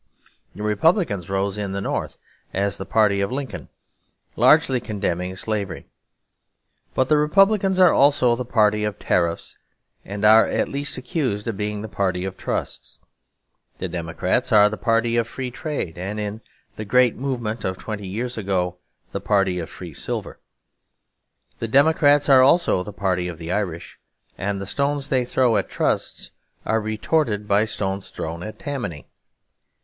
The Republicans rose in the North as the party of Lincoln, largely condemning slavery. But the Republicans are also the party of Tariffs, and are at least accused of being the party of Trusts. The Democrats are the party of Free Trade; and in the great movement of twenty years ago the party of Free Silver. The Democrats are also the party of the Irish; and the stones they throw at Trusts are retorted by stones thrown at Tammany.